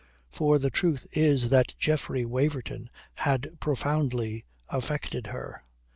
For the truth is that Geoffrey Waverton had profoundly affected her.